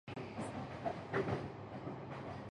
ちょっとお昼寝しようかな。